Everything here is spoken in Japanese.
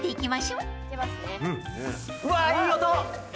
うわいい音！